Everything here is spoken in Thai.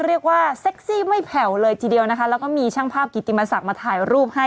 เรียกว่าเซ็กซี่ไม่แผ่วเลยทีเดียวนะคะแล้วก็มีช่างภาพกิติมศักดิ์มาถ่ายรูปให้